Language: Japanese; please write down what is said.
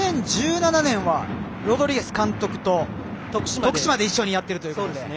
２０１７年はロドリゲス監督と徳島で一緒にやっているということで。